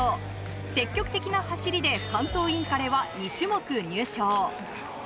積極的な走りで関東インカレは２種目入賞。